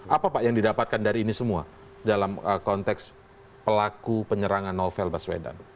apa pak yang didapatkan dari ini semua dalam konteks pelaku penyerangan novel baswedan